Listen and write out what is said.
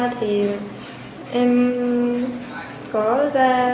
thì em có ra